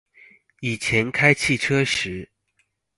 以前開汽車時